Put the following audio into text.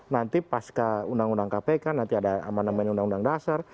nanti pas ke undang undang kp kan nanti ada apa namanya undang undang dasar